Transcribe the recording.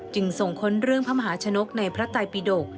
ส่งค้นเรื่องพระมหาชนกในพระไตปิดก